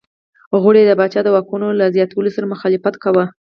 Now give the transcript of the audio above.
غړو یې د پاچا د واکونو له زیاتوالي سره مخالفت کاوه.